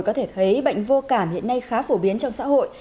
có thể thấy bệnh vô cảm hiện nay khá phổ biến trong xã hội